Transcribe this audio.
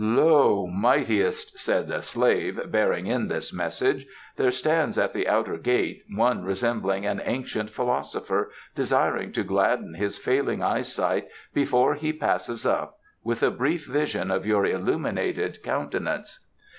"Lo, Mightiest," said a slave, bearing in this message, "there stands at the outer gate one resembling an ancient philosopher, desiring to gladden his failing eyesight before he Passes Up with a brief vision of your illuminated countenance."